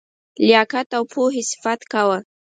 لیاقت او پوهي صفت کاوه.